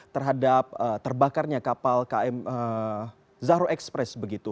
terhadap terbakarnya kapal zahro express